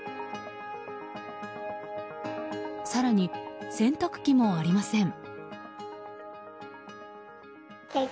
更に洗濯機もありません。